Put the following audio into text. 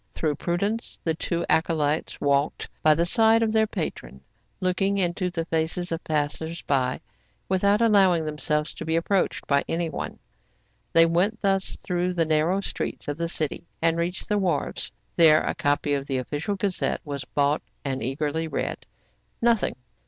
. Through pru dence, the two acolytes walked by the side of their patron, looking into the faces of the passers by without allowing themselves to be approached by any one. They went thus through the narrow streets of the city, and reached the wharves. There a copy of The Official Gazette*' was bought, and eagerly read. Nothing